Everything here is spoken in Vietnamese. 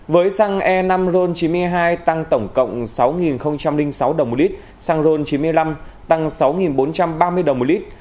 với xăng e năm ron chín mươi hai tăng tổng cộng sáu sáu đồng một lít xăng ron chín mươi năm tăng sáu bốn trăm ba mươi đồng một lít